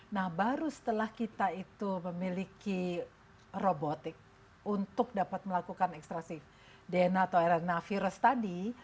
nah baru setelah kita itu memiliki robotik untuk dapat melakukan ekstrasif dna atau aerena virus tadi